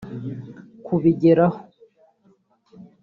Kubigeraho